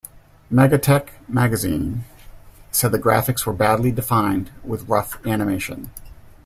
"MegaTech" magazine said the graphics were "badly defined with rough animation".